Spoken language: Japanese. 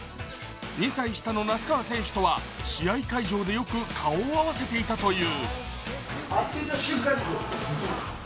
２歳下の那須川選手とは試合会場でよく顔を合わせていたという。